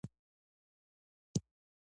د عبدالروف بېنوا په زيار. کابل: پښتو ټولنه